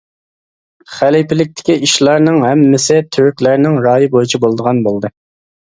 خەلىپىلىكتىكى ئىشلارنىڭ ھەممىسى تۈركلەرنىڭ رايى بويىچە بولىدىغان بولدى.